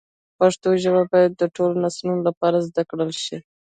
پښتو ژبه باید د ټولو نسلونو لپاره زده کړل شي.